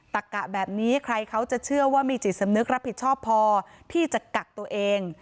กะแบบนี้ใครเขาจะเชื่อว่ามีจิตสำนึกรับผิดชอบพอที่จะกักตัวเอง